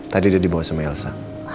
tadi dia dibawa sama elsa